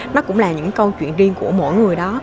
nó cũng là những câu chuyện riêng của mỗi người đó